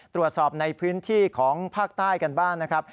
ตรวจสอบในพื้นที่ของภาคใต้กันบ้างนะครับ